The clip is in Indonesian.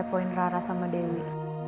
berarah sama dewi